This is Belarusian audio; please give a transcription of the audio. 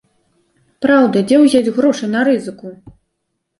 Праўда, дзе ўзяць грошы на рызыку?